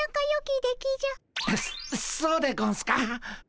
そそうでゴンスか？